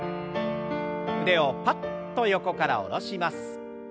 腕をパッと横から下ろします。